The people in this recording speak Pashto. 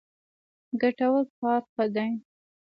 ګټور کار ښه دی.